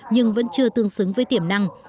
nhưng vẫn chưa tương xứng với tiềm năng